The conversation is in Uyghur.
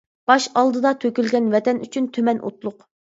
باش ئالدىدا تۆكۈلگەن ۋەتەن ئۈچۈن تۈمەن ئوتلۇق.